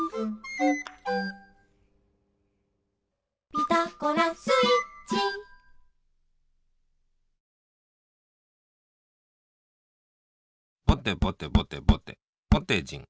「ピタゴラスイッチ」ぼてぼてぼてぼてぼてじん。